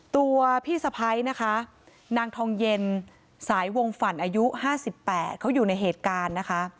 ตัวพี่สะพ้ายนะคะนางทองเย็นสายวงฝั่นอายุ๕๘เขาอยู่ในเหตุการณ์นะคะ